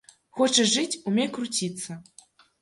Хочаш жыць, умей круціцца.